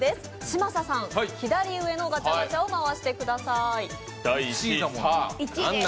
嶋佐さん、左上のガチャガチャを回してください。